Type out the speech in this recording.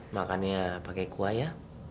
makannya pakai kuah ya